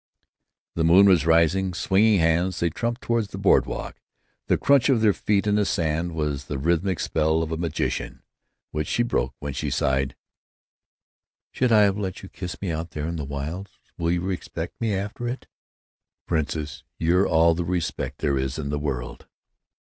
The moon was rising. Swinging hands, they tramped toward the board walk. The crunch of their feet in the sand was the rhythmic spell of a magician, which she broke when she sighed: "Should I have let you kiss me, out here in the wilds? Will you respect me after it?" "Princess, you're all the respect there is in the world."